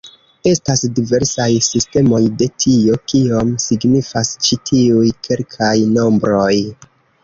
Estas diversaj sistemoj de tio, kion signifas ĉi tiuj kelkaj nombroj.